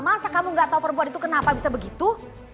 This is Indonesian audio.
masa kamu gak tau perbuat itu kenapa bisa begitu